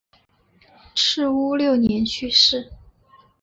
赤乌六年去世。